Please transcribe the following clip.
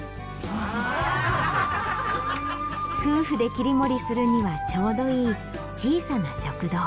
夫婦で切り盛りするにはちょうどいい小さな食堂。